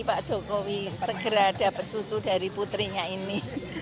pak jokowi segera dapat cucu dari putrinya ini